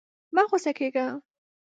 مه غوسه کېږه!